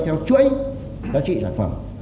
theo chuỗi giá trị sản phẩm